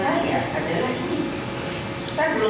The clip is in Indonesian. yang disebut sebut postrus